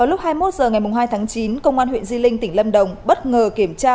lúc hai mươi một h ngày hai tháng chín công an huyện di linh tỉnh lâm đồng bất ngờ kiểm tra